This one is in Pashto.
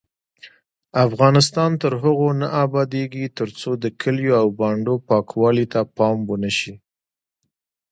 افغانستان تر هغو نه ابادیږي، ترڅو د کلیو او بانډو پاکوالي ته پام ونشي.